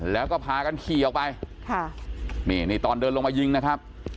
แล้วก็พากันขี่ออกไปค่ะนี่นี่ตอนเดินลงมายิงนะครับ